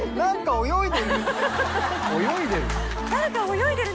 泳いでる。